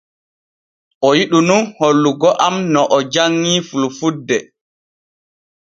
O yiɗu nun hollugo am no o janŋii fulfulde.